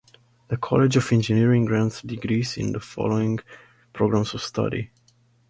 The College of Engineering grants degrees in the following programs of study.